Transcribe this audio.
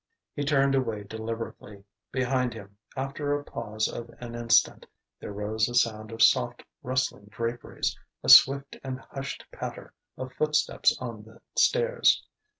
He turned away deliberately. Behind him, after a pause of an instant, there rose a sound of soft rustling draperies, a swift and hushed patter of footsteps on the stairs.